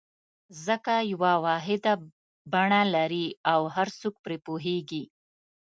ځکه یوه واحده بڼه لري او هر څوک پرې پوهېږي.